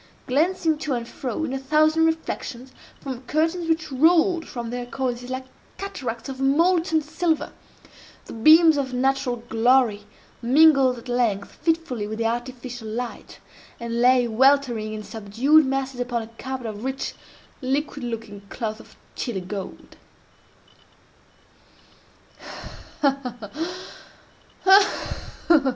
Glancing to and fro, in a thousand reflections, from curtains which rolled from their cornices like cataracts of molten silver, the beams of natural glory mingled at length fitfully with the artificial light, and lay weltering in subdued masses upon a carpet of rich, liquid looking cloth of Chili gold.